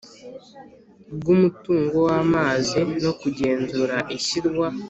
Bw umutungo w amazi no kugenzura ishyirwa